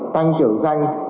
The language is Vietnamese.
tăng trưởng danh